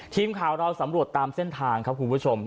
ทีมข่าวเราสำรวจตามเส้นทางครับคุณผู้ชม